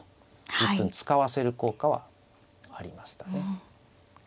１分使わせる効果はありましたね。